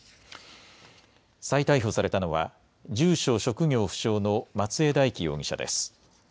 再逮捕されたのは住所・職業不詳の松江大樹容疑者です。